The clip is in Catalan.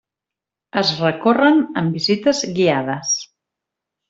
Es recorren en visites guiades.